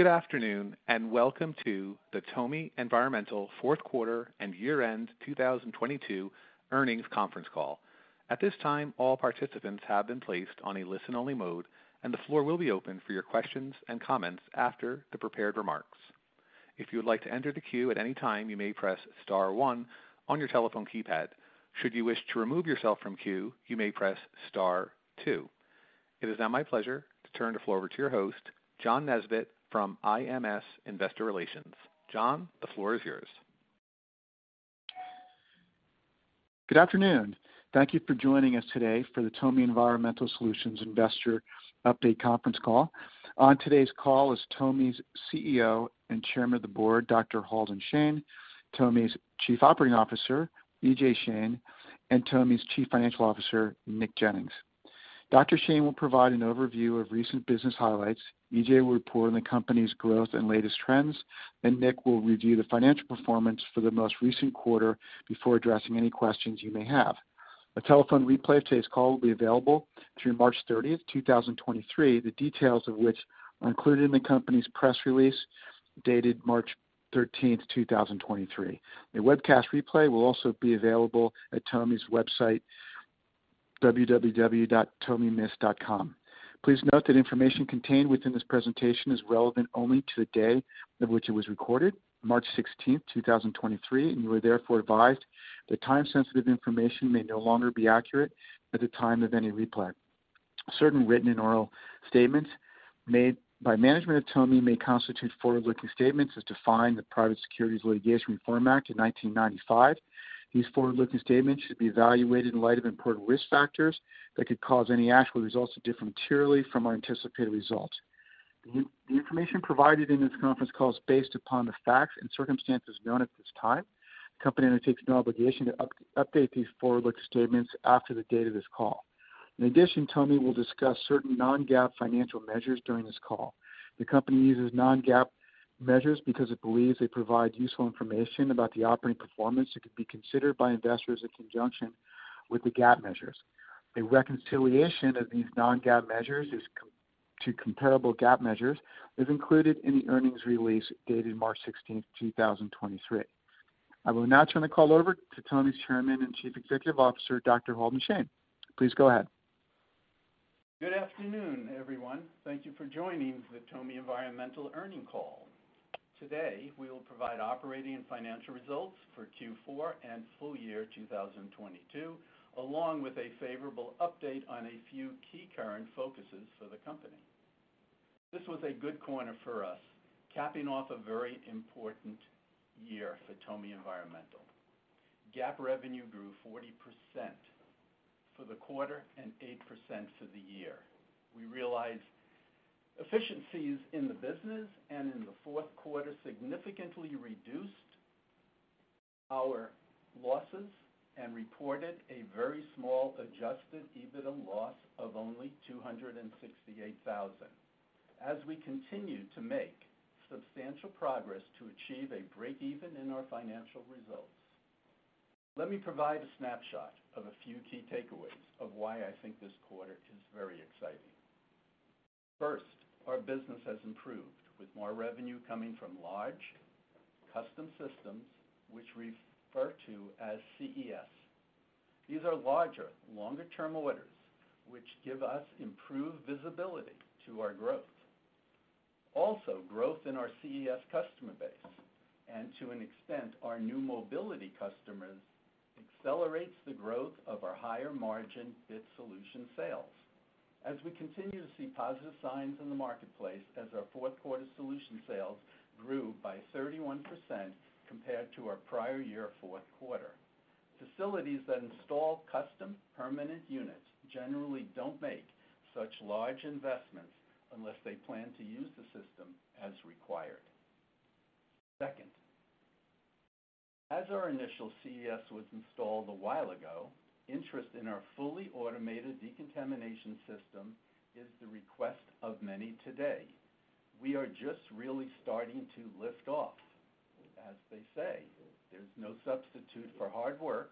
Good afternoon, and welcome to the TOMI Environmental fourth quarter and year-end 2022 earnings conference call. At this time, all participants have been placed on a listen-only mode, and the floor will be open for your questions and comments after the prepared remarks. If you would like to enter the queue at any time, you may press star one on your telephone keypad. Should you wish to remove yourself from queue, you may press star two. It is now my pleasure to turn the floor over to your host, John Nesbett from IMS Investor Relations. John, the floor is yours. Good afternoon. Thank you for joining us today for the TOMI Environmental Solutions Investor Update conference call. On today's call is TOMI's CEO and Chairman of the Board, Dr. Halden Shane, TOMI's Chief Operating Officer, EJ Shane, and TOMI's Chief Financial Officer, Nick Jennings. Dr. Shane will provide an overview of recent business highlights. EJ will report on the company's growth and latest trends. Nick will review the financial performance for the most recent quarter before addressing any questions you may have. A telephone replay of today's call will be available through March 30th, 2023. The details of which are included in the company's press release, dated March 13th, 2023. A webcast replay will also be available at TOMI's website, www.tomimist.com. Please note that information contained within this presentation is relevant only to the day of which it was recorded, March 16, 2023. You are therefore advised that time-sensitive information may no longer be accurate at the time of any replay. Certain written and oral statements made by management of TOMI may constitute forward-looking statements as defined in the Private Securities Litigation Reform Act of 1995. These forward-looking statements should be evaluated in light of important risk factors that could cause any actual results to differ materially from our anticipated results. The information provided in this conference call is based upon the facts and circumstances known at this time. The company undertakes no obligation to update these forward-looking statements after the date of this call. In addition, TOMI will discuss certain non-GAAP financial measures during this call. The company uses non-GAAP measures because it believes they provide useful information about the operating performance that could be considered by investors in conjunction with the GAAP measures. A reconciliation of these non-GAAP measures to comparable GAAP measures is included in the earnings release dated March 16th, 2023. I will now turn the call over to TOMI's Chairman and Chief Executive Officer, Dr. Halden Shane. Please go ahead. Good afternoon, everyone. Thank you for joining the TOMI Environmental earnings call. Today, we will provide operating and financial results for Q4 and full year 2022, along with a favorable update on a few key current focuses for the company. This was a good quarter for us, capping off a very important year for TOMI Environmental. GAAP revenue grew 40% for the quarter and 8% for the year. We realized efficiencies in the business and in the fourth quarter, significantly reduced our losses and reported a very small adjusted EBITDA loss of only $268,000 as we continue to make substantial progress to achieve a breakeven in our financial results. Let me provide a snapshot of a few key takeaways of why I think this quarter is very exciting. First, our business has improved with more revenue coming from large custom systems, which we refer to as CES. These are larger, longer-term orders, which give us improved visibility to our growth. Also, growth in our CES customer base, and to an extent our new mobility customers, accelerates the growth of our higher margin BIT solution sales. As we continue to see positive signs in the marketplace as our fourth quarter solution sales grew by 31% compared to our prior year fourth quarter. Facilities that install custom permanent units generally don't make such large investments unless they plan to use the system as required. Second, as our initial CES was installed a while ago, interest in our fully automated decontamination system is the request of many today. We are just really starting to lift off. As they say, there's no substitute for hard work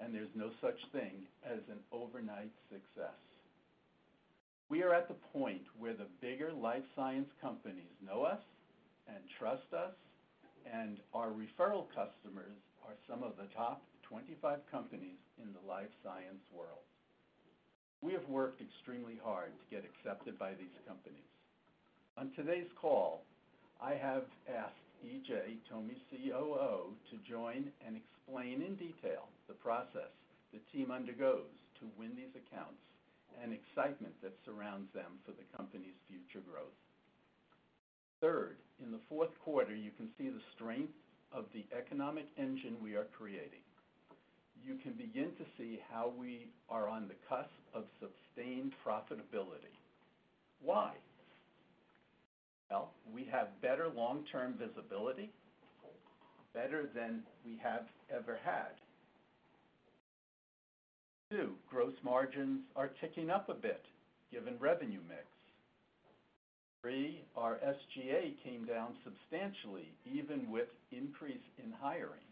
and there's no such thing as an overnight success. We are at the point where the bigger life science companies know us and trust us, and our referral customers are some of the top 25 companies in the life science world. We have worked extremely hard to get accepted by these companies. On today's call, I have asked EJ, TOMI's COO, to join and explain in detail the process the team undergoes to win these accounts and excitement that surrounds them for the company's future growth. In the fourth quarter, you can see the strength of the economic engine we are creating. You can begin to see how we are on the cusp of sustained profitability. Why? Well, we have better long-term visibility, better than we have ever had. Gross margins are ticking up a bit given revenue mix. Three, our SG&A came down substantially even with increase in hiring.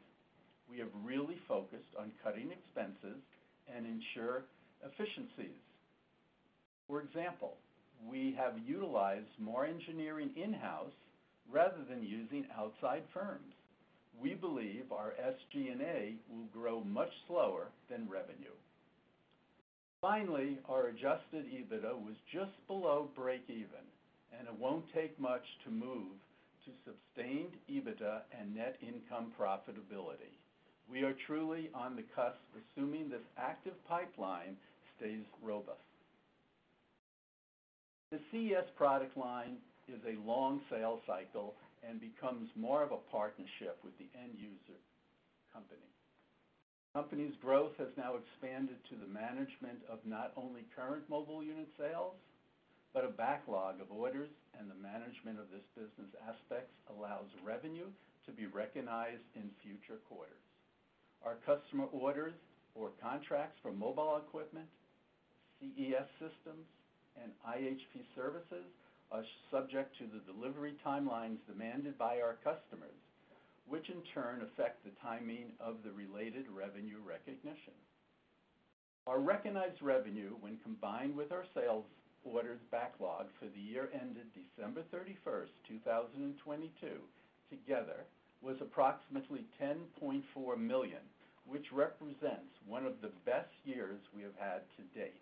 We have really focused on cutting expenses and ensure efficiencies. For example, we have utilized more engineering in-house rather than using outside firms. We believe our SG&A will grow much slower than revenue. Finally, our adjusted EBITDA was just below breakeven, and it won't take much to move to sustained EBITDA and net income profitability. We are truly on the cusp, assuming this active pipeline stays robust. The CES product line is a long sale cycle and becomes more of a partnership with the end user company. Company's growth has now expanded to the management of not only current mobile unit sales, but a backlog of orders, and the management of this business aspects allows revenue to be recognized in future quarters. Our customer orders or contracts for mobile equipment, CES systems, and IHP services are subject to the delivery timelines demanded by our customers, which in turn affect the timing of the related revenue recognition. Our recognized revenue, when combined with our sales orders backlog for the year ended December 31, 2022, together was approximately $10.4 million, which represents one of the best years we have had to date.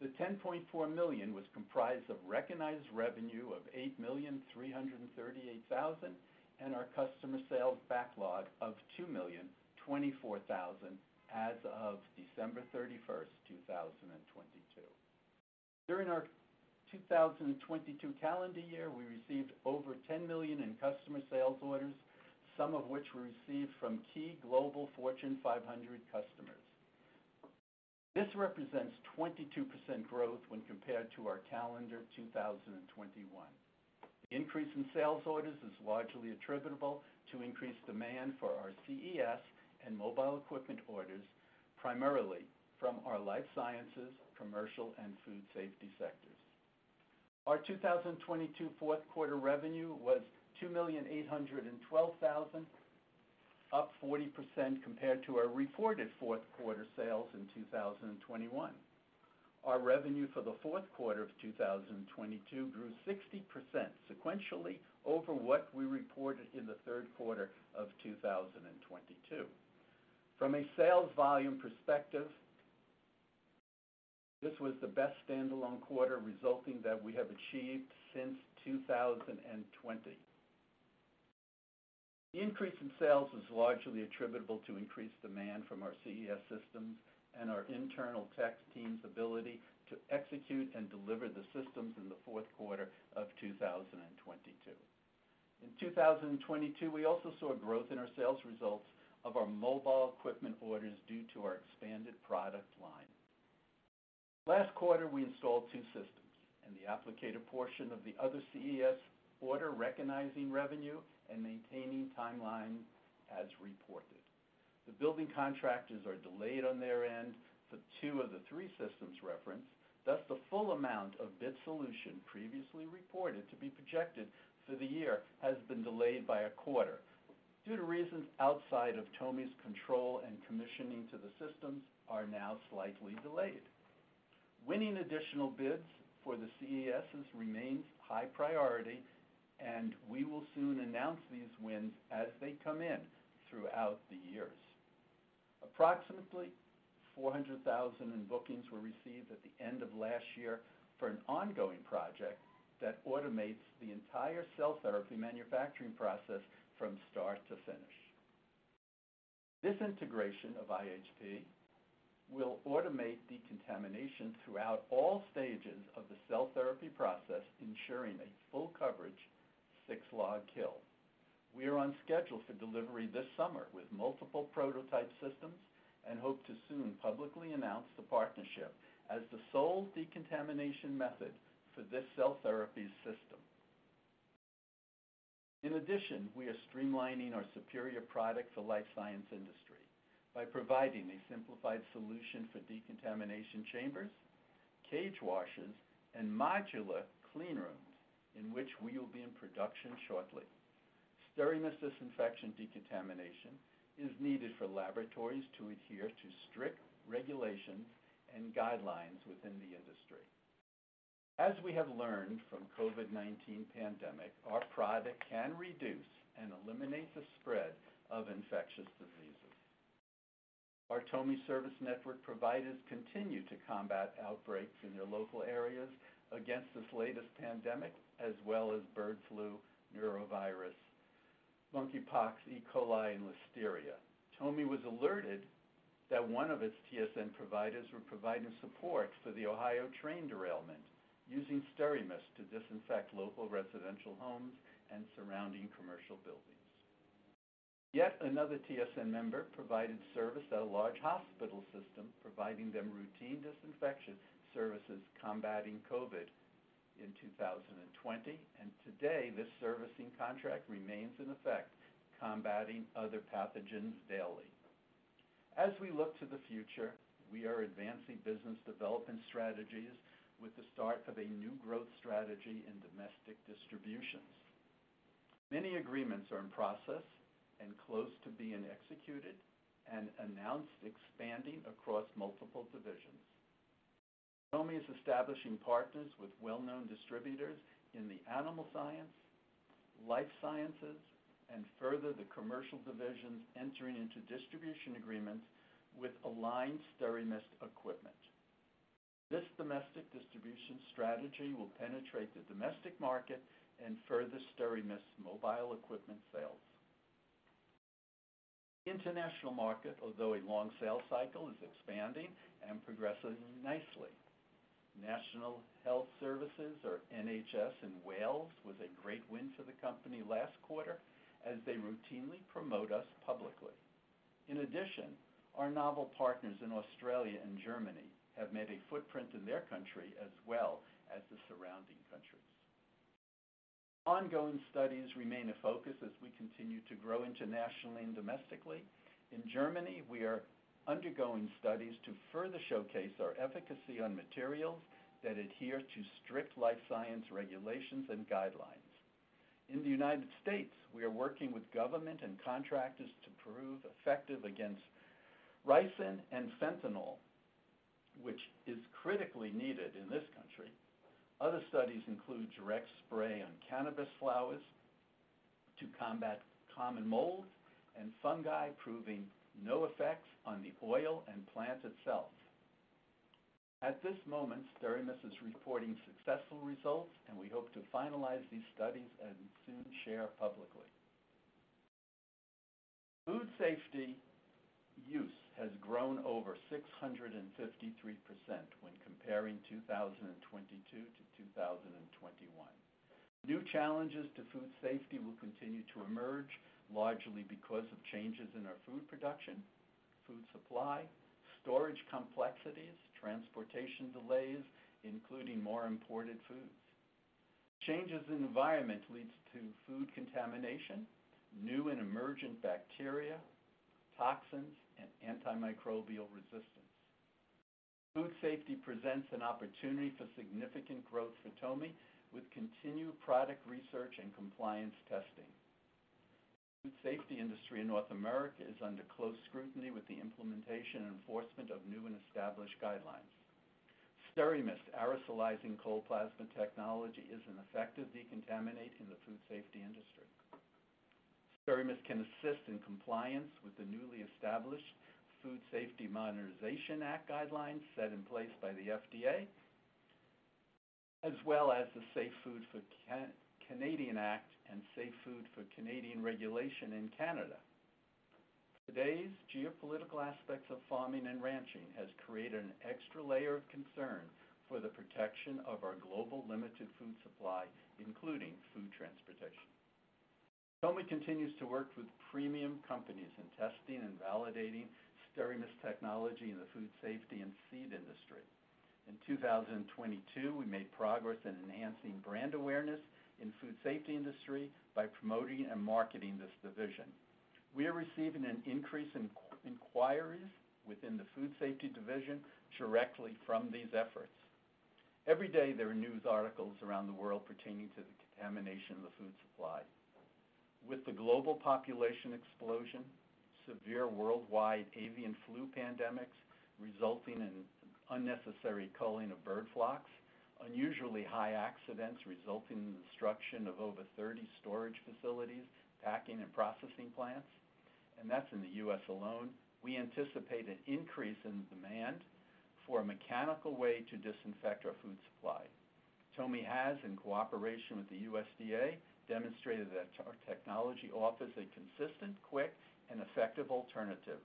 The $10.4 million was comprised of recognized revenue of $8,338,000, and our customer sales backlog of $2,024,000 as of December 31, 2022. During our 2022 calendar year, we received over $10 million in customer sales orders, some of which we received from key global Fortune 500 customers. This represents 22% growth when compared to our calendar 2021. Increase in sales orders is largely attributable to increased demand for our CES and mobile equipment orders, primarily from our life sciences, commercial, and food safety sectors. Our 2022 fourth quarter revenue was $2,812,000, up 40% compared to our reported fourth quarter sales in 2021. Our revenue for the fourth quarter of 2022 grew 60% sequentially over what we reported in the third quarter of 2022. From a sales volume perspective, this was the best standalone quarter resulting that we have achieved since 2020. The increase in sales is largely attributable to increased demand from our CES systems and our internal tech team's ability to execute and deliver the systems in the fourth quarter of 2022. In 2022, we also saw growth in our sales results of our mobile equipment orders due to our expanded product line. Last quarter, we installed two systems and the applicator portion of the other CES order, recognizing revenue and maintaining timeline as reported. The building contractors are delayed on their end for two of the three systems referenced, thus the full amount of BIT solution previously reported to be projected for the year has been delayed by a quarter due to reasons outside of TOMI's control. Commissioning to the systems are now slightly delayed. Winning additional bids for the CESs remains high priority, and we will soon announce these wins as they come in throughout the years. Approximately $400,000 in bookings were received at the end of last year for an ongoing project that automates the entire cell therapy manufacturing process from start to finish. This integration of iHP will automate decontamination throughout all stages of the cell therapy process, ensuring a full coverage 6-log kill. We are on schedule for delivery this summer with multiple prototype systems and hope to soon publicly announce the partnership as the sole decontamination method for this cell therapy system. In addition, we are streamlining our superior product for life science industry by providing a simplified solution for decontamination chambers, cage washes, and modular clean rooms in which we will be in production shortly. SteraMist disinfection decontamination is needed for laboratories to adhere to strict regulations and guidelines within the industry. We have learned from COVID-19 pandemic, our product can reduce and eliminate the spread of infectious diseases. Our TOMI service network providers continue to combat outbreaks in their local areas against this latest pandemic, as well as bird flu, norovirus, monkeypox, E. coli, and listeria. TOMI was alerted that one of its TSN providers were providing support for the Ohio train derailment, using SteraMist to disinfect local residential homes and surrounding commercial buildings. Another TSN member provided service at a large hospital system, providing them routine disinfection services combating COVID in 2020. Today, this servicing contract remains in effect, combating other pathogens daily. We look to the future, we are advancing business development strategies with the start of a new growth strategy in domestic distributions. Many agreements are in process and close to being executed and announced, expanding across multiple divisions. TOMI is establishing partners with well-known distributors in the animal science, life sciences, and further the commercial divisions entering into distribution agreements with aligned SteraMist equipment. This domestic distribution strategy will penetrate the domestic market and further SteraMist mobile equipment sales. The international market, although a long sales cycle, is expanding and progressing nicely. National Health Service, or NHS, in Wales was a great win for the company last quarter as they routinely promote us publicly. In addition, our novel partners in Australia and Germany have made a footprint in their country as well as the surrounding countries. Ongoing studies remain a focus as we continue to grow internationally and domestically. In Germany, we are undergoing studies to further showcase our efficacy on materials that adhere to strict life science regulations and guidelines. In the United States, we are working with government and contractors to prove effective against ricin and fentanyl, which is critically needed in this country. Other studies include direct spray on cannabis flowers to combat common mold and fungi, proving no effects on the oil and plant itself. At this moment, SteraMist is reporting successful results, we hope to finalize these studies and soon share publicly. Food safety use has grown over 653% when comparing 2022 to 2021. New challenges to food safety will continue to emerge, largely because of changes in our food production, food supply, storage complexities, transportation delays, including more imported foods. Changes in environment leads to food contamination, new and emergent bacteria, toxins, and antimicrobial resistance. Food safety presents an opportunity for significant growth for TOMI with continued product research and compliance testing. The food safety industry in North America is under close scrutiny with the implementation and enforcement of new and established guidelines. SteraMist aerosolizing cold plasma technology is an effective decontaminant in the food safety industry. SteraMist can assist in compliance with the newly established Food Safety Modernization Act guidelines set in place by the FDA, as well as the Safe Food for Canadians Act and Safe Food for Canadians Regulations in Canada. Today's geopolitical aspects of farming and ranching has created an extra layer of concern for the protection of our global limited food supply, including food transportation. TOMI continues to work with premium companies in testing and validating SteraMist technology in the food safety and seed industry. In 2022, we made progress in enhancing brand awareness in food safety industry by promoting and marketing this division. We are receiving an increase in inquiries within the food safety division directly from these efforts. Every day, there are news articles around the world pertaining to the contamination of the food supply. With the global population explosion, severe worldwide avian flu pandemics resulting in unnecessary culling of bird flocks, unusually high accidents resulting in the destruction of over 30 storage facilities, packing and processing plants, and that's in the U.S. alone, we anticipate an increase in demand for a mechanical way to disinfect our food supply. TOMI has, in cooperation with the USDA, demonstrated that our technology offers a consistent, quick, and effective alternative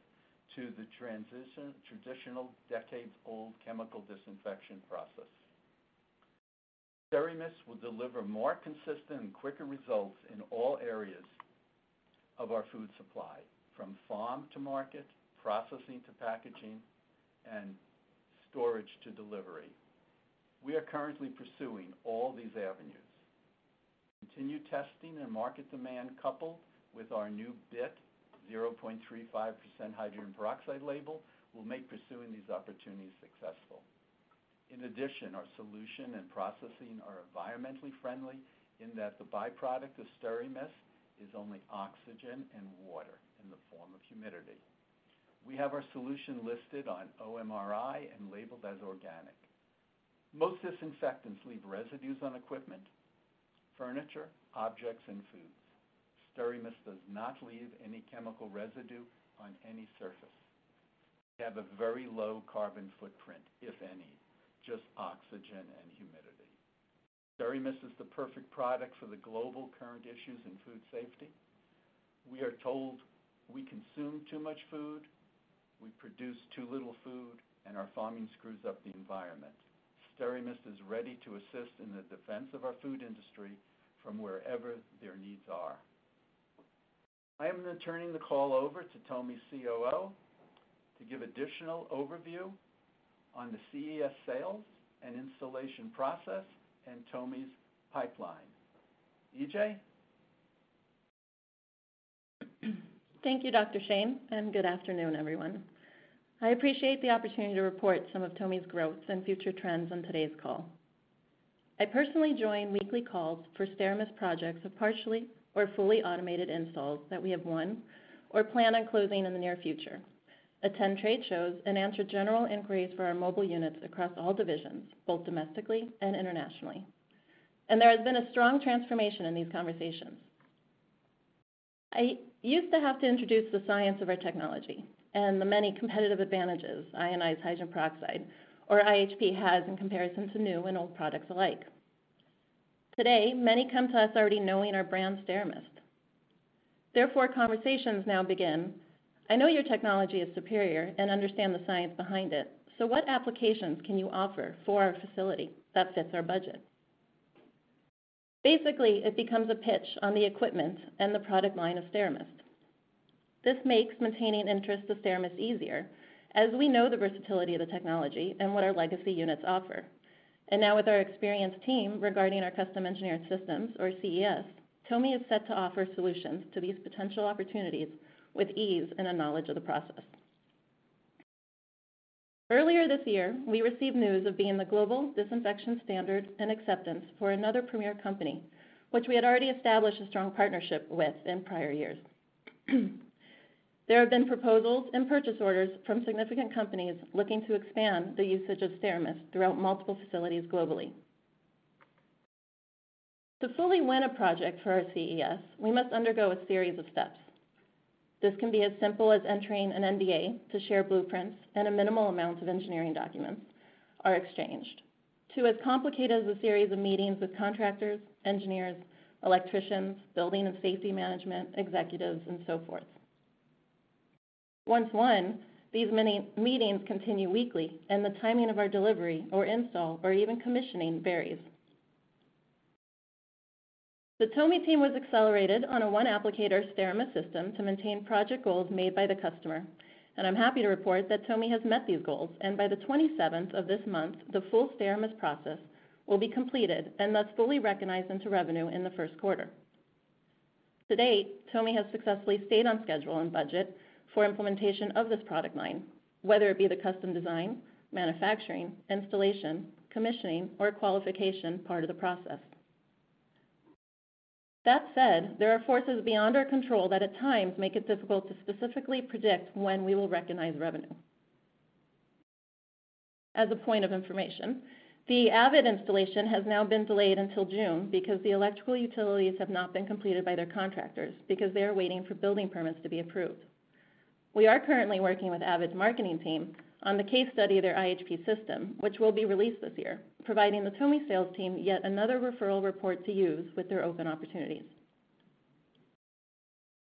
to the traditional decades-old chemical disinfection process. SteraMist will deliver more consistent and quicker results in all areas of our food supply, from farm to market, processing to packaging, and storage to delivery. We are currently pursuing all these avenues. Continued testing and market demand, coupled with our new BIT 0.35% hydrogen peroxide label, will make pursuing these opportunities successful. Our solution and processing are environmentally friendly in that the byproduct of SteraMist is only oxygen and water in the form of humidity. We have our solution listed on OMRI and labeled as organic. Most disinfectants leave residues on equipment, furniture, objects, and foods. SteraMist does not leave any chemical residue on any surface. We have a very low carbon footprint, if any, just oxygen and humidity. SteraMist is the perfect product for the global current issues in food safety. We are told we consume too much food, we produce too little food, and our farming screws up the environment. SteraMist is ready to assist in the defense of our food industry from wherever their needs are. I am now turning the call over to TOMI's COO to give additional overview on the CES sales and installation process and TOMI's pipeline. E.J.? Thank you, Dr. Shane, and good afternoon, everyone. I appreciate the opportunity to report some of TOMI's growth and future trends on today's call. I personally join weekly calls for SteraMist projects of partially or fully automated installs that we have won or plan on closing in the near future, attend trade shows, and answer general inquiries for our mobile units across all divisions, both domestically and internationally. There has been a strong transformation in these conversations. I used to have to introduce the science of our technology and the many competitive advantages ionized hydrogen peroxide or IHP has in comparison to new and old products alike. Today, many come to us already knowing our brand SteraMist. Therefore, conversations now begin, "I know your technology is superior and understand the science behind it, so what applications can you offer for our facility that fits our budget?" Basically, it becomes a pitch on the equipment and the product line of SteraMist. This makes maintaining interest of SteraMist easier as we know the versatility of the technology and what our legacy units offer. Now with our experienced team regarding our custom engineered systems or CES, TOMI is set to offer solutions to these potential opportunities with ease and a knowledge of the process. Earlier this year, we received news of being the global disinfection standard and acceptance for another premier company, which we had already established a strong partnership with in prior years. There have been proposals and purchase orders from significant companies looking to expand the usage of SteraMist throughout multiple facilities globally. To fully win a project for our CES, we must undergo a series of steps. This can be as simple as entering an NDA to share blueprints and a minimal amount of engineering documents are exchanged, to as complicated as a series of meetings with contractors, engineers, electricians, building and safety management, executives, and so forth. Once won, these many meetings continue weekly and the timing of our delivery or install or even commissioning varies. The TOMI team was accelerated on a one applicator SteraMist system to maintain project goals made by the customer, and I'm happy to report that TOMI has met these goals, and by the 27th of this month, the full SteraMist process will be completed and thus fully recognized into revenue in the first quarter. To date, TOMI has successfully stayed on schedule and budget for implementation of this product line, whether it be the custom design, manufacturing, installation, commissioning, or qualification part of the process. That said, there are forces beyond our control that at times make it difficult to specifically predict when we will recognize revenue. As a point of information, the Avid installation has now been delayed until June because the electrical utilities have not been completed by their contractors because they are waiting for building permits to be approved. We are currently working with Avid's marketing team on the case study of their iHP system, which will be released this year, providing the TOMI sales team yet another referral report to use with their open opportunities.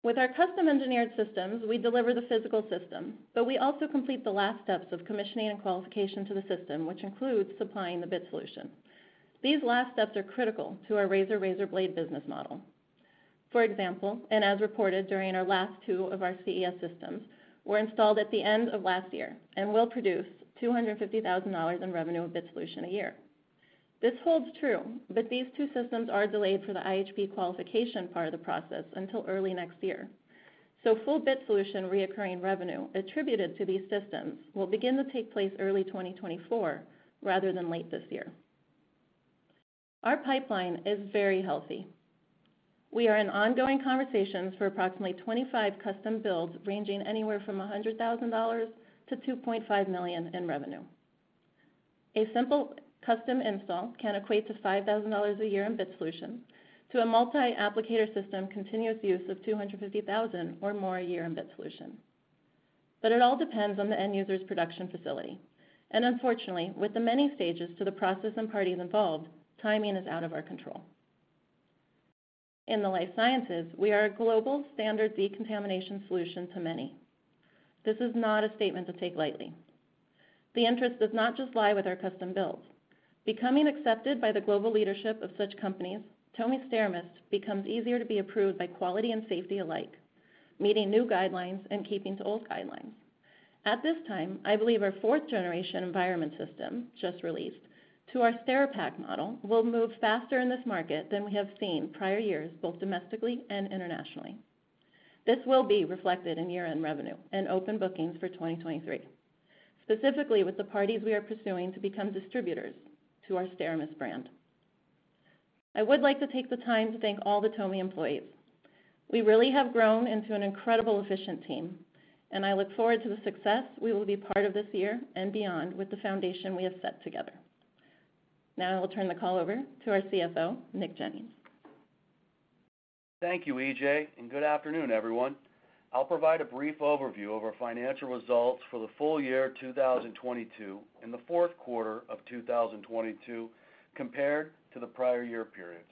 With our custom engineered systems, we deliver the physical system, but we also complete the last steps of commissioning and qualification to the system, which includes supplying the BIT solution. These last steps are critical to our razor-razor blade business model. For example, as reported during our last two of our CES systems, were installed at the end of last year and will produce $250,000 in revenue of BIT solution a year. This holds true, but these two systems are delayed for the iHP qualification part of the process until early next year. Full BIT solution reoccurring revenue attributed to these systems will begin to take place early 2024 rather than late this year. Our pipeline is very healthy. We are in ongoing conversations for approximately 25 custom builds ranging anywhere from $100,000-$2.5 million in revenue. A simple custom install can equate to $5,000 a year in BIT solution to a multi-applicator system continuous use of $250,000 or more a year in BIT solution. It all depends on the end user's production facility. Unfortunately, with the many stages to the process and parties involved, timing is out of our control. In the life sciences, we are a global standard decontamination solution to many. This is not a statement to take lightly. The interest does not just lie with our custom builds. Becoming accepted by the global leadership of such companies, TOMI's SteraMist becomes easier to be approved by quality and safety alike, meeting new guidelines and keeping to old guidelines. At this time, I believe our fourth generation environment system, just released, to our SteraPak model will move faster in this market than we have seen prior years, both domestically and internationally. This will be reflected in year-end revenue and open bookings for 2023, specifically with the parties we are pursuing to become distributors to our SteraMist brand. I would like to take the time to thank all the TOMI employees. We really have grown into an incredible efficient team, and I look forward to the success we will be part of this year and beyond with the foundation we have set together. I will turn the call over to our CFO, Nick Jennings. Thank you, E.J. Good afternoon, everyone. I'll provide a brief overview of our financial results for the full year 2022 and the fourth quarter of 2022 compared to the prior year periods.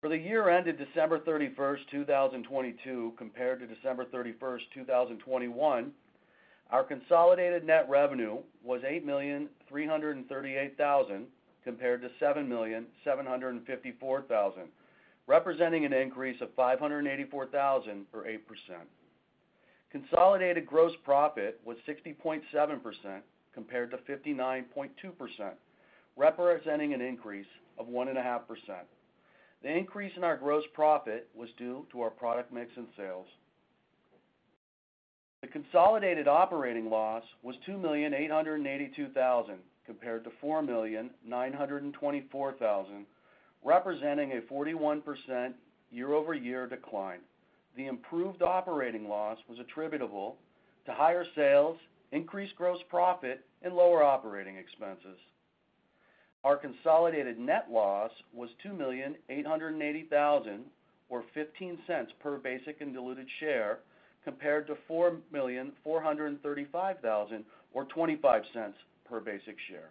For the year ended December 31st, 2022 compared to December 31st, 2021, our consolidated net revenue was $8,338,000 compared to $7,754,000, representing an increase of $584,000 or 8%. Consolidated gross profit was 60.7% compared to 59.2%, representing an increase of 1.5%. The increase in our gross profit was due to our product mix and sales. The consolidated operating loss was $2,882,000 compared to $4,924,000, representing a 41% year-over-year decline. The improved operating loss was attributable to higher sales, increased gross profit, and lower operating expenses. Our consolidated net loss was $2,880,000, or $0.15 per basic and diluted share compared to $4,435,000 or $0.25 per basic share.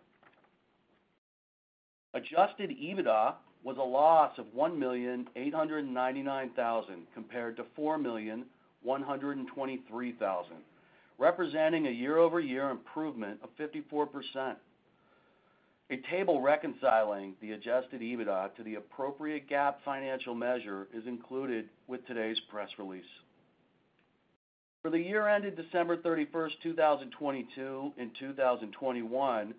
Adjusted EBITDA was a loss of $1,899,000 compared to $4,123,000, representing a year-over-year improvement of 54%. A table reconciling the adjusted EBITDA to the appropriate GAAP financial measure is included with today's press release. For the year ended December 31st, 2022 and 2021,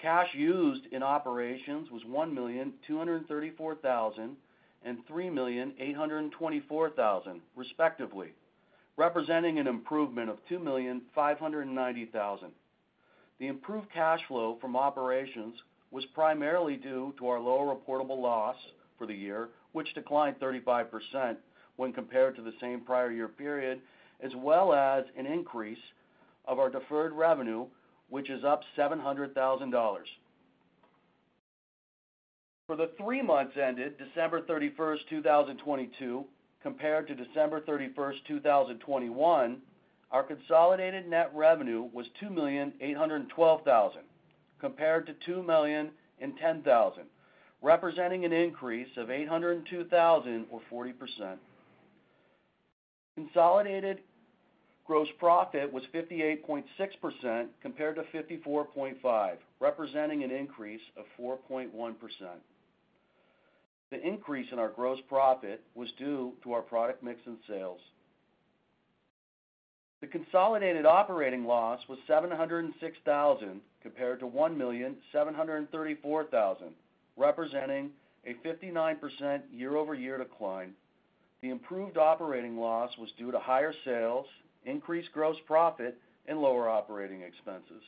cash used in operations was $1,234,000 and $3,824,000, respectively, representing an improvement of $2,590,000. The improved cash flow from operations was primarily due to our lower reportable loss for the year, which declined 35% when compared to the same prior year period, as well as an increase of our deferred revenue, which is up $700,000. For the three months ended December 31, 2022 compared to December 31, 2021, our consolidated net revenue was $2,812,000 compared to $2,010,000, representing an increase of $802,000 or 40%. Consolidated gross profit was 58.6% compared to 54.5%, representing an increase of 4.1%. The increase in our gross profit was due to our product mix and sales. The consolidated operating loss was $706,000 compared to $1,734,000, representing a 59% year-over-year decline. The improved operating loss was due to higher sales, increased gross profit, and lower operating expenses.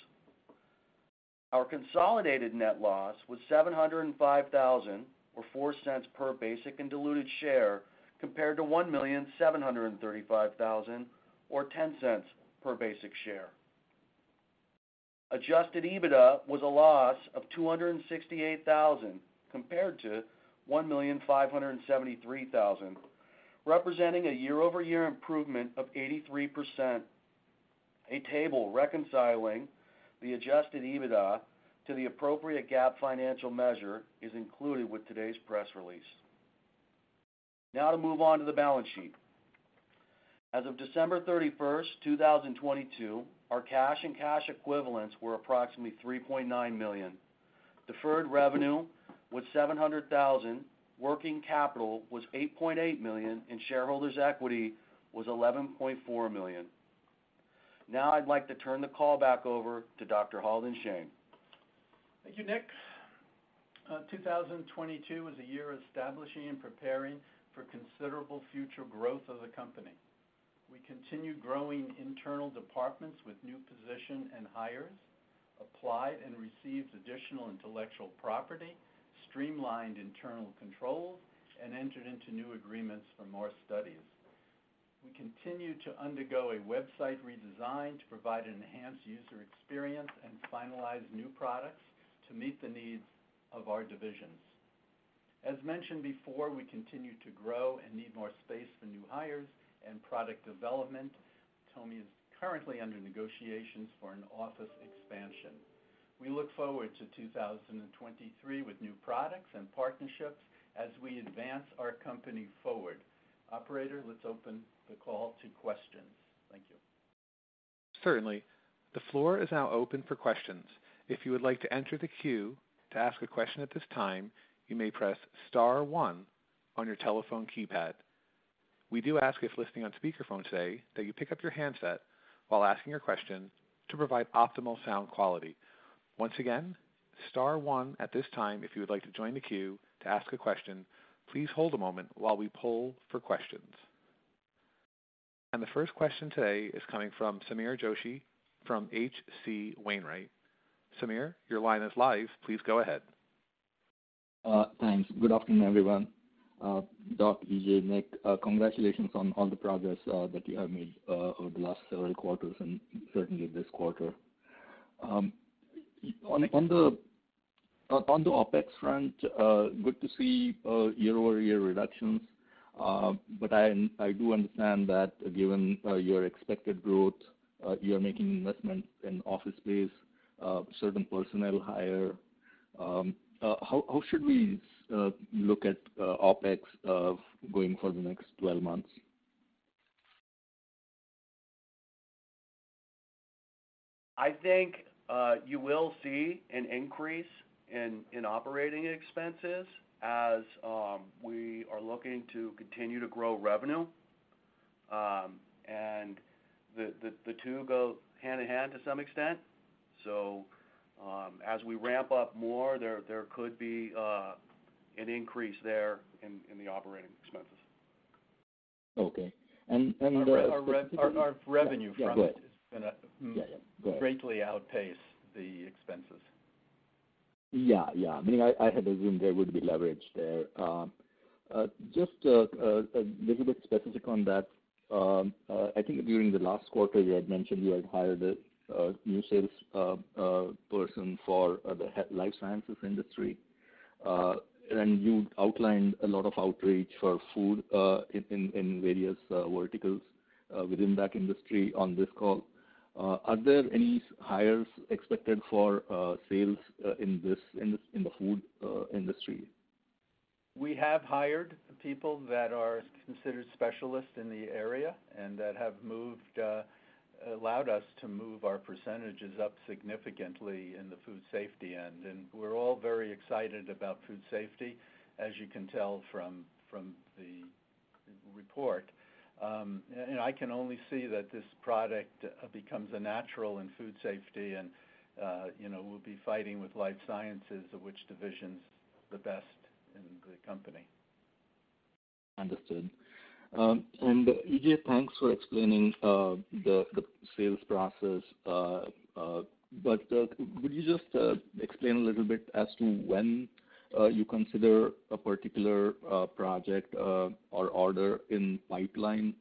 Our consolidated net loss was $705,000 or $0.04 per basic and diluted share compared to $1,735,000 or $0.10 per basic share. Adjusted EBITDA was a loss of $268,000 compared to $1,573,000, representing a 83% year-over-year improvement. A table reconciling the adjusted EBITDA to the appropriate GAAP financial measure is included with today's press release. To move on to the balance sheet. As of December 31, 2022, our cash and cash equivalents were approximately $3.9 million. Deferred revenue was $700,000. Working capital was $8.8 million, and shareholders' equity was $11.4 million. Now I'd like to turn the call back over to Dr. Halden Shane. Thank you, Nick. 2022 is a year of establishing and preparing for considerable future growth of the company. We continue growing internal departments with new position and hires, applied and received additional intellectual property, streamlined internal controls, and entered into new agreements for more studies. We continue to undergo a website redesign to provide an enhanced user experience and finalize new products to meet the needs of our divisions. As mentioned before, we continue to grow and need more space for new hires and product development. TOMI is currently under negotiations for an office expansion. We look forward to 2023 with new products and partnerships as we advance our company forward. Operator, let's open the call to questions. Thank you. Certainly. The floor is now open for questions. If you would like to enter the queue to ask a question at this time, you may press star one on your telephone keypad. We do ask if listening on speakerphone today, that you pick up your handset while asking your question to provide optimal sound quality. Once again, star one at this time if you would like to join the queue to ask a question. Please hold a moment while we poll for questions. The first question today is coming from Sameer Joshi from H.C. Wainwright. Sameer, your line is live. Please go ahead. Thanks. Good afternoon, everyone. Doc, E.J., Nick, congratulations on all the progress that you have made over the last several quarters and certainly this quarter. On the OpEx front, good to see year-over-year reductions. I do understand that given your expected growth, you are making investments in office space, certain personnel hire. How should we look at OpEx going for the next 12 months? I think you will see an increase in operating expenses as we are looking to continue to grow revenue. And the two go hand-in-hand to some extent. As we ramp up more, there could be an increase there in the operating expenses. Okay. Our revenue from. Yeah, go ahead. -is gonna- Yeah. Go ahead greatly outpace the expenses. Yeah, yeah. I mean, I had assumed there would be leverage there. Just a little bit specific on that. I think during the last quarter, you had mentioned you had hired a new salesperson for the life sciences industry. You outlined a lot of outreach for food in various verticals within that industry on this call. Are there any hires expected for sales in the food industry? We have hired people that are considered specialists in the area and that have moved, allowed us to move our percentages up significantly in the food safety end. We're all very excited about food safety, as you can tell from the report. I can only see that this product becomes a natural in food safety and, you know, we'll be fighting with life sciences of which division's the best in the company. Understood. EJ, thanks for explaining the sales process. Could you just explain a little bit as to when you consider a particular project or order in pipeline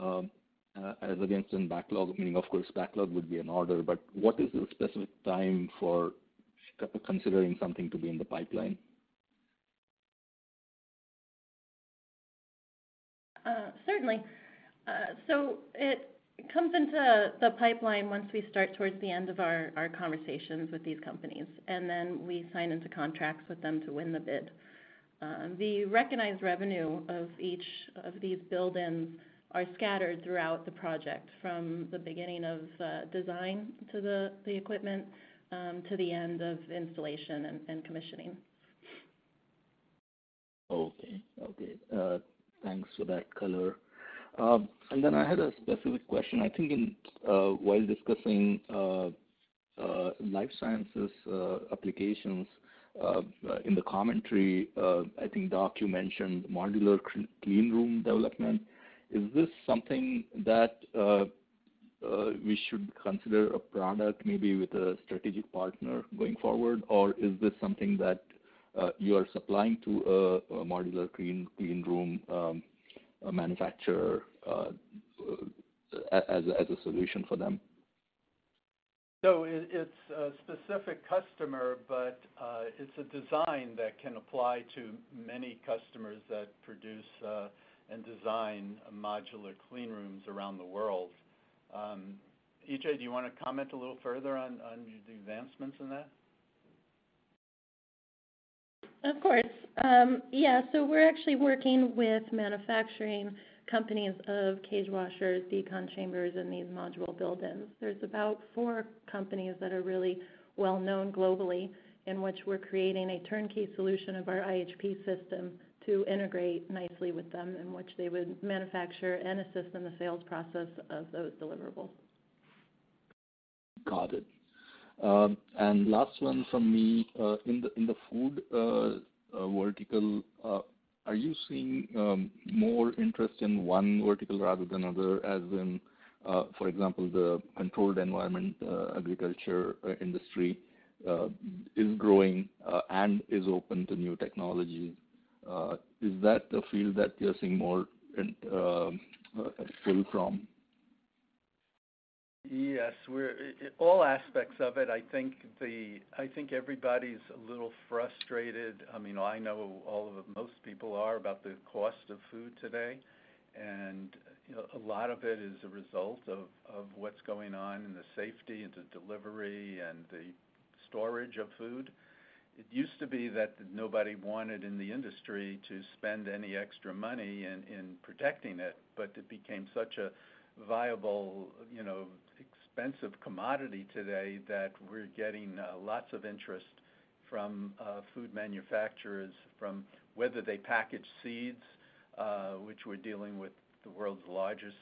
as against in backlog? Meaning, of course, backlog would be an order, but what is the specific time for considering something to be in the pipeline? Certainly. It comes into the pipeline once we start towards the end of our conversations with these companies, and then we sign into contracts with them to win the bid. The recognized revenue of each of these build-ins are scattered throughout the project from the beginning of design to the equipment, to the end of installation and commissioning. Okay, okay. Thanks for that color. I had a specific question. I think in while discussing life sciences applications in the commentary, I think, Doc, you mentioned modular clean room development. Is this something that we should consider a product maybe with a strategic partner going forward? Is this something that you are supplying to a modular clean room manufacturer as a solution for them? No, it's a specific customer, but it's a design that can apply to many customers that produce and design modular clean rooms around the world. EJ, do you wanna comment a little further on the advancements in that? Of course. We're actually working with manufacturing companies of cage washers, decon chambers, and these module build-ins. There's about four companies that are really well-known globally, in which we're creating a turnkey solution of our iHP system to integrate nicely with them, in which they would manufacture and assist in the sales process of those deliverables. Got it. Last one from me. In the food, vertical, are you seeing, more interest in one vertical rather than other as in, for example, the controlled environment, agriculture, industry, is growing, and is open to new technology? Is that the field that you’re seeing more in, pull from? Yes, we're All aspects of it, I think everybody's a little frustrated. I mean, I know all of most people are about the cost of food today. you know, a lot of it is a result of what's going on in the safety, and the delivery, and the storage of food. It used to be that nobody wanted in the industry to spend any extra money in protecting it, but it became such a viable, you know, expensive commodity today that we're getting lots of interest from food manufacturers from whether they package seeds, which we're dealing with the world's largest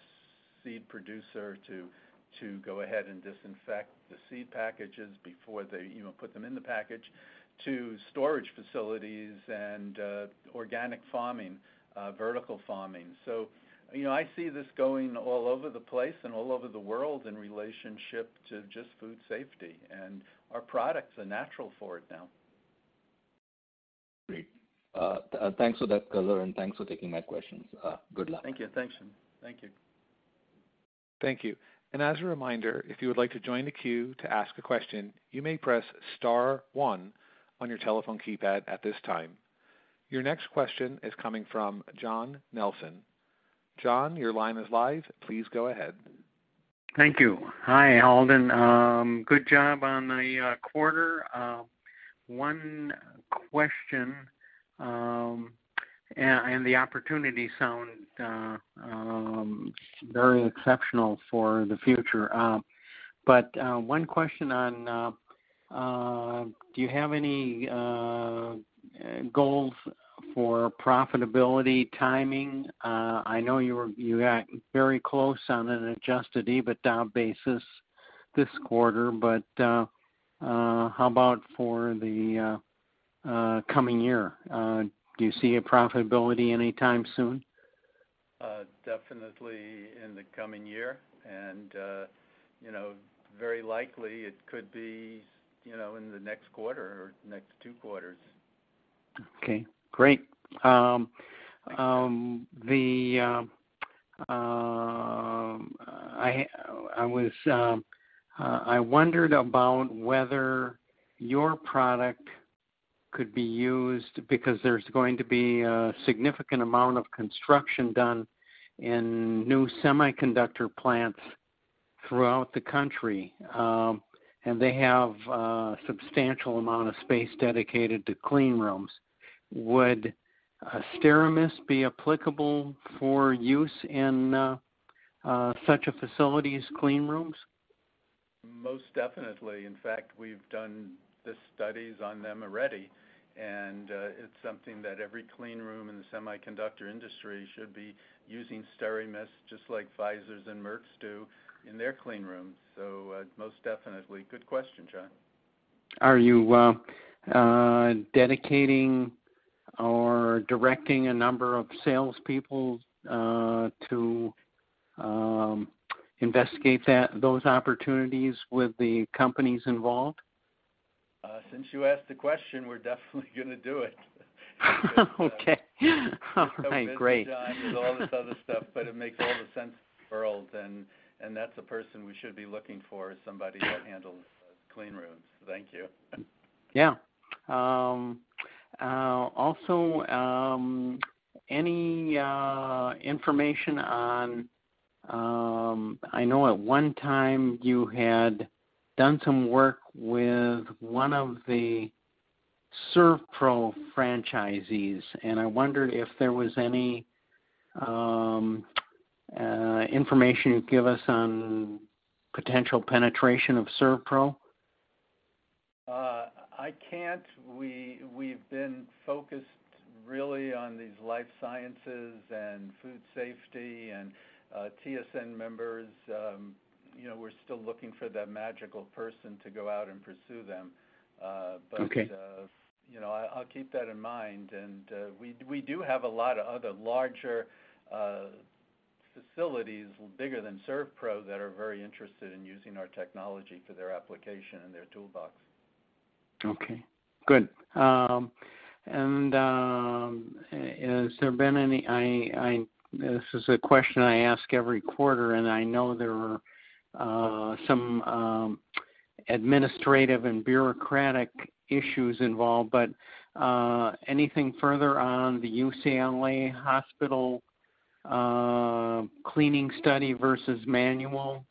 seed producer to go ahead and disinfect the seed packages before they, you know, put them in the package, to storage facilities and organic farming, vertical farming. You know, I see this going all over the place and all over the world in relationship to just food safety, and our products are natural for it now. Great. thanks for that color, and thanks for taking my questions. Good luck. Thank you. Thanks. Thank you. Thank you. As a reminder, if you would like to join the queue to ask a question, you may press star one on your telephone keypad at this time. Your next question is coming from John Nelson. John, your line is live. Please go ahead. Thank you. Hi, Halden. Good job on the quarter. One question. The opportunity sounds very exceptional for the future. One question on, do you have any goals for profitability timing? I know you got very close on an adjusted EBITDA basis this quarter, but how about for the coming year? Do you see a profitability anytime soon? Definitely in the coming year and, you know, very likely it could be, you know, in the next quarter or next two quarters. Okay, great. I wondered about whether your product could be used because there's going to be a significant amount of construction done in new semiconductor plants throughout the country, and they have a substantial amount of space dedicated to clean rooms. Would SteraMist be applicable for use in such a facility's clean rooms? Most definitely. In fact, we've done the studies on them already, and it's something that every clean room in the semiconductor industry should be using SteraMist, just like Pfizer and Merck do in their clean rooms. Most definitely. Good question, John. Are you dedicating or directing a number of salespeople to investigate that, those opportunities with the companies involved? Since you asked the question, we're definitely gonna do it. Okay. Great. With all this other stuff, but it makes a lot of sense, John, then, and that's the person we should be looking for, is somebody that handles clean rooms. Thank you. Yeah. Also, any information on, I know at one time you had done some work with one of the SERVPRO franchisees, and I wondered if there was any information you'd give us on potential penetration of SERVPRO. I can't, we've been focused really on these life sciences and food safety and TSN members. You know, we're still looking for that magical person to go out and pursue them. Okay you know, I'll keep that in mind. We do have a lot of other larger facilities, bigger than SERVPRO, that are very interested in using our technology for their application and their toolbox. Okay, good. This is a question I ask every quarter, and I know there are some administrative and bureaucratic issues involved, but anything further on the UCLA hospital cleaning study versus manual,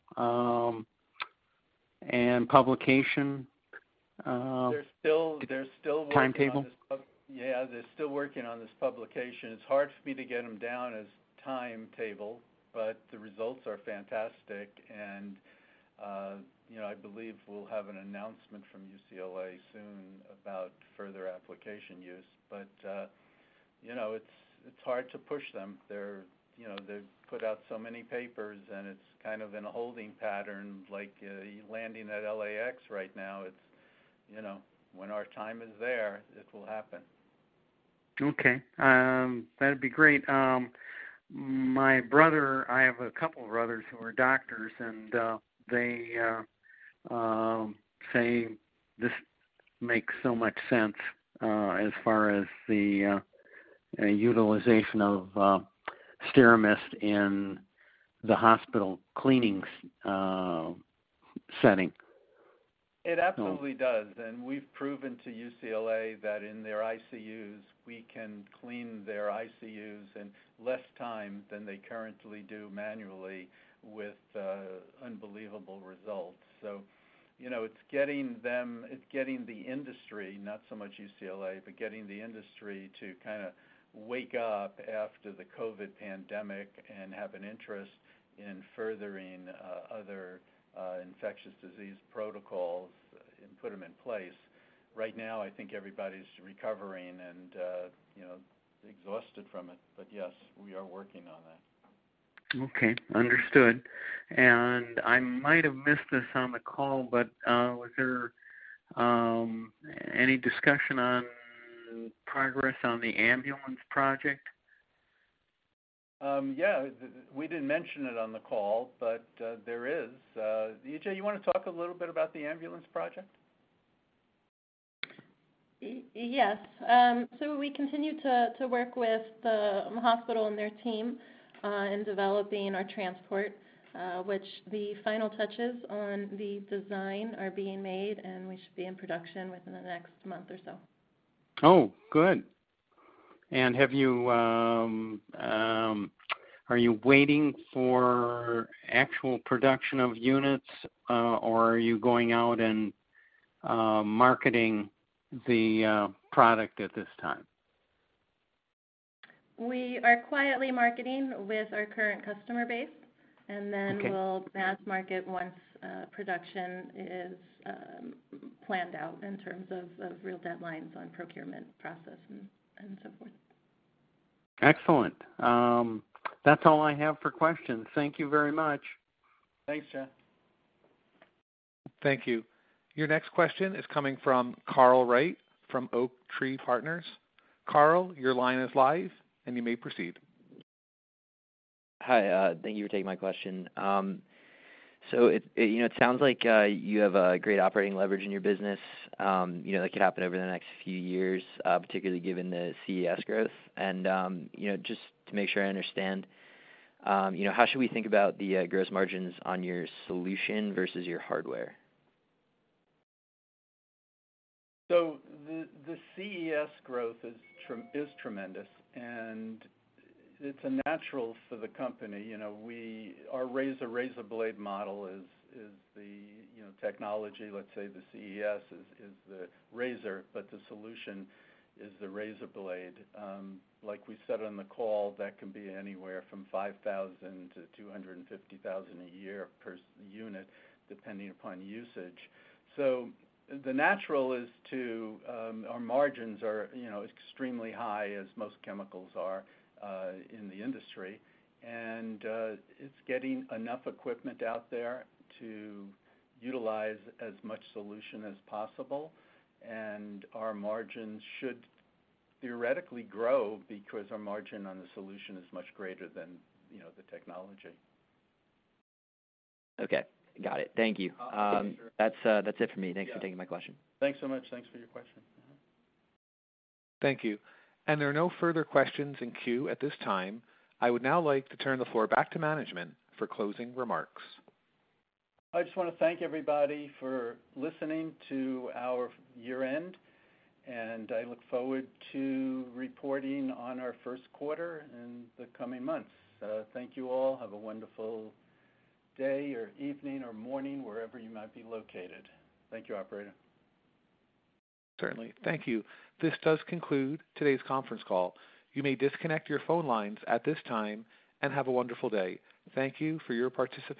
and publication? They're still working. Time table? Yeah, they're still working on this publication. It's hard for me to get them down as timetable, the results are fantastic and, you know, I believe we'll have an announcement from UCLA soon about further application use. It's hard to push them. They're, you know, they've put out so many papers, and it's kind of in a holding pattern, like, landing at LAX right now. It's, you know, when our time is there, it will happen. Okay. That'd be great. My brother, I have a couple of brothers who are doctors, and they say this makes so much sense as far as the utilization of SteraMist in the hospital cleaning setting. It absolutely does. We've proven to UCLA that in their ICUs, we can clean their ICUs in less time than they currently do manually with unbelievable results. You know, it's getting them, it's getting the industry, not so much UCLA, but getting the industry to kinda wake up after the COVID pandemic and have an interest in furthering other infectious disease protocols and put them in place. Right now, I think everybody's recovering and, you know, exhausted from it. Yes, we are working on that. Okay. Understood. I might have missed this on the call, but was there any discussion on progress on the ambulance project? Yeah. We didn't mention it on the call, but there is. E.J., you wanna talk a little bit about the ambulance project? Yes. We continue to work with the hospital and their team in developing our transport, which the final touches on the design are being made, and we should be in production within the next month or so. Oh, good. Are you waiting for actual production of units, or are you going out and marketing the product at this time? We are quietly marketing with our current customer base. Okay. Then we'll mass market once production is planned out in terms of real deadlines on procurement process and so forth. Excellent. That's all I have for questions. Thank you very much. Thanks, John. Thank you. Your next question is coming from Carl Wright from OakTree Partners. Carl, your line is live and you may proceed. Hi, thank you for taking my question. It, you know, it sounds like, you have a great operating leverage in your business, you know, that could happen over the next few years, particularly given the CES growth. You know, just to make sure I understand, you know, how should we think about the, gross margins on your solution versus your hardware? The, the CES growth is tremendous, and it's a natural for the company. You know, our razor blade model is the, you know, technology, let's say the CES is the razor, but the solution is the razor blade. Like we said on the call, that can be anywhere from $5,000 to $250,000 a year per unit, depending upon usage. The natural is to, our margins are, you know, extremely high as most chemicals are, in the industry. It's getting enough equipment out there to utilize as much solution as possible, and our margins should theoretically grow because our margin on the solution is much greater than, you know, the technology. Okay. Got it. Thank you. Oh, sure. That's it for me. Yeah. Thanks for taking my question. Thanks so much. Thanks for your question. Mm-hmm. Thank you. There are no further questions in queue at this time. I would now like to turn the floor back to management for closing remarks. I just wanna thank everybody for listening to our year-end. I look forward to reporting on our first quarter in the coming months. Thank you all. Have a wonderful day or evening or morning, wherever you might be located. Thank you, operator. Certainly. Thank you. This does conclude today's conference call. You may disconnect your phone lines at this time, and have a wonderful day. Thank you for your participation.